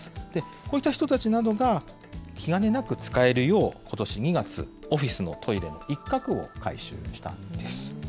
こういった人たちなどが気兼ねなく使えるよう、ことし２月、オフィスのトイレの一画を改修したんです。